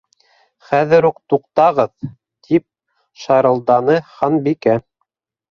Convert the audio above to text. —Хәҙер үк туҡтағыҙ! —тип шарылданы Ханбикә.